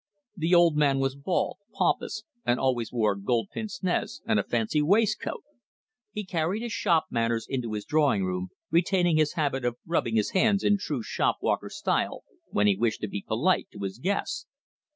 The old man was bald, pompous, and always wore gold pince nez and a fancy waistcoat. He carried his shop manners into his drawing room, retaining his habit of rubbing his hands in true shop walker style when he wished to be polite to his guests.